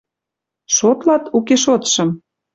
Шотлат, уке тоштым?